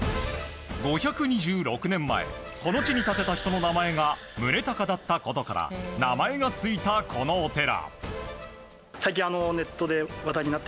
５２６年前この地に建てた人の名前が宗隆だったことから名前が付いたこのお寺。